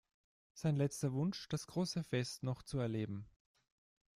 Sein letzter Wunsch: Das große Fest noch zu erleben.